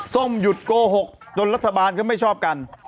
ส้มหยุดโกหกจนรัฐบาลก็ไม่ชอบกัน